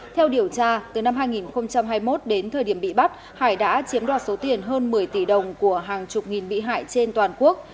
theo điều tra từ năm hai nghìn hai mươi một đến thời điểm bị bắt hải đã chiếm đoạt số tiền hơn một mươi tỷ đồng của hàng chục nghìn bị hại trên toàn quốc